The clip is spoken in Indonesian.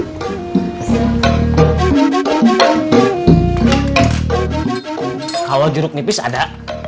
kalau jeruk nipis ada